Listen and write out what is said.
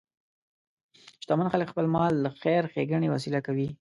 شتمن خلک خپل مال د خیر ښیګڼې وسیله کوي.